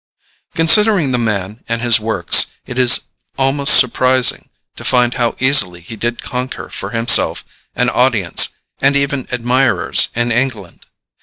Considering the man and his works, it is almost surprising to find how easily he did conquer for himself an audience, and even admirers, in England.